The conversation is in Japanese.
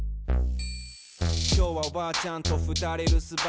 きょうはおばあちゃんとふたりるすばん。